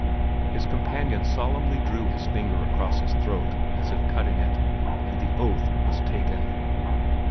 His companion solemnly drew his finger across his throat, as if cutting it, and the oath was taken.